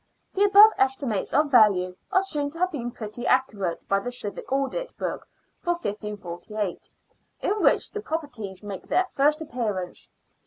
The above estimates of value are shown to have been pretty accurate by the civic audit book for 1548, in which the properties make their first appearance.